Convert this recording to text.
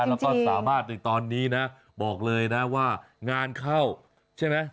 แล้วก็สามารถในตอนนี้นะบอกเลยนะว่างานเข้าใช่ไหม